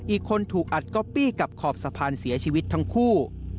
อีกคนถูกอัดก๊อปปี้กับขอบสะพานเสียชีวิตทั้งคู่